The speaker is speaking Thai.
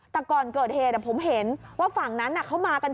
แต่ก่อนเกิดเหตุผมเห็นว่าฝั่งนั้นเขามากัน